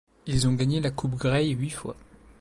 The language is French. Ils ont gagné la coupe Grey huit fois.